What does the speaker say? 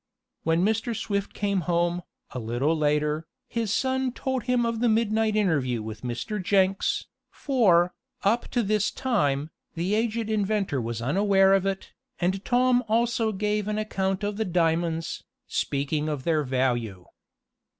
When Mr. Swift came home, a little later, his son told him of the midnight interview with Mr. Jenks, for, up to this time, the aged inventor was unaware of it, and Tom also gave an account of the diamonds, speaking of their value.